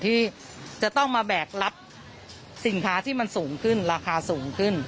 ที่จะต้องมาแบกรับสินค้าที่มันสูงขึ้นราคาสูงขึ้น